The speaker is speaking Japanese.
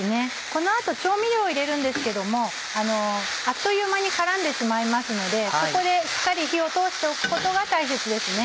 この後調味料を入れるんですけどもあっという間に絡んでしまいますのでここでしっかり火を通しておくことが大切ですね。